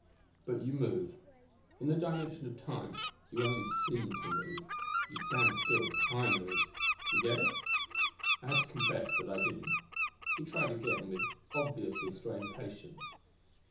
But you move. In the dimension of time, you only seem to move. You stand still; time moves. Do you get it?' "I had to confess that I didn't. "He tried again, with obviously strained patience.